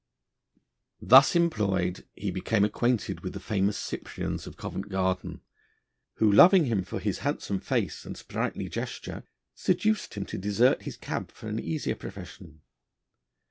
Thus employed, he became acquainted with the famous Cyprians of Covent Garden, who, loving him for his handsome face and sprightly gesture, seduced him to desert his cab for an easier profession.